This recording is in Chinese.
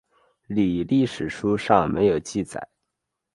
李历史书上没有记载。